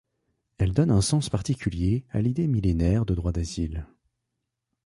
Elle donne un sens particulier à l'idée millénaire de droit d'asile.